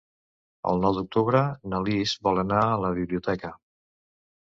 El nou d'octubre na Lis vol anar a la biblioteca.